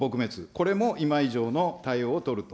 これも今以上の対応を取ると。